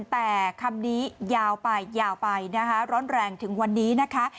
แต่คำนี้ยาวไปร้อนแรงถึงวันนี้นะคะ